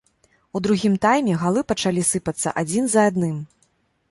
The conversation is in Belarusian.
У другім тайме галы пачалі сыпацца адзін за адным.